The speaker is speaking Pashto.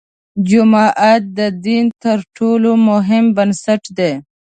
جومات د دین تر ټولو مهم بنسټ دی.